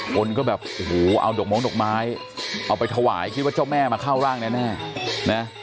คนก็แบบโอ้โหเอาดอกม้งดอกไม้เอาไปถวายคิดว่าเจ้าแม่มาเข้าร่างแน่นะ